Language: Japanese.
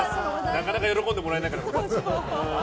なかなか喜んでもらえないから。